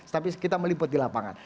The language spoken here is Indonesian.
tapi kita meliput di lapangan